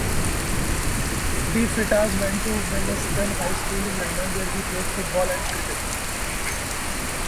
DeFreitas went to Willesden High School, in London, where he played football and cricket.